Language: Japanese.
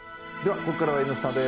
ここからは「Ｎスタ」です。